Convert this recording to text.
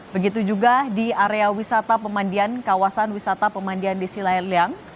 begitu juga di area wisata pemandian kawasan wisata pemandian di sila eliang